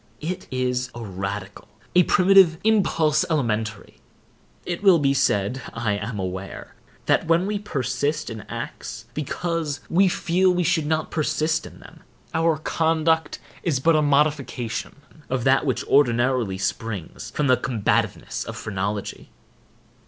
It is a radical, a primitive impulse—elementary. It will be said, I am aware, that when we persist in acts because we feel we should not persist in them, our conduct is but a modification of that which ordinarily springs from the combativeness of phrenology.